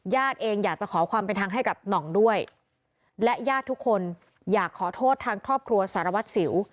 เองอยากจะขอความเป็นธรรมให้กับหน่องด้วยและญาติทุกคนอยากขอโทษทางครอบครัวสารวัตรสิว